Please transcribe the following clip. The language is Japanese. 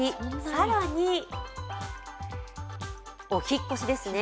更に、お引っ越しですね。